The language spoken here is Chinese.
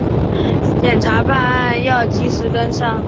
检察办案要及时跟上